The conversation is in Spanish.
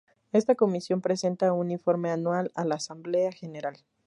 Esta Comisión presenta un informe anual a la Asamblea General.